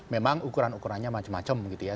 memang ukuran ukurannya macam macam gitu ya